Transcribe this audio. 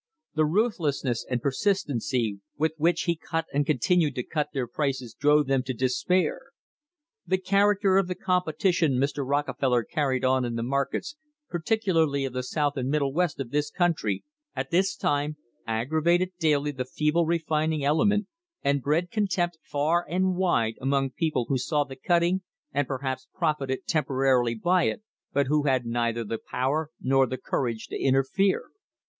The ruthlessness and persistency with which he cut and continued to cut their prices drove them to despair. The character of the competition Mr. Rockefeller carried on in the markets, particularly of the South and Middle West of this country, at this time, aggravated daily the feeble refining element, and bred con tempt far and wide among people who saw the cutting, and perhaps profited temporarily by it, but who had neither the power nor the courage to interfere.